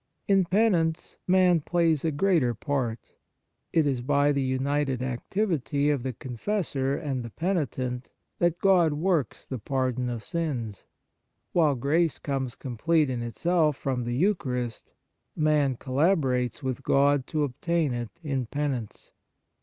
In Penance, man plays a greater part ; it is by the united activity of the con fessor and the penitent that God works the pardon of sins. While grace comes complete in itself from the Eucharist, man collaborates with God to obtain it in Penance.